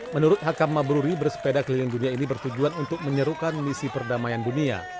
menurut hakam mabruri bersepeda keliling dunia ini bertujuan untuk menyerukan misi perdamaian dunia